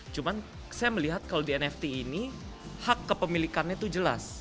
cuma saya melihat kalau di nft ini hak kepemilikannya itu jelas